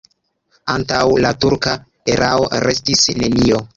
Antaŭ la turka erao restis nenio.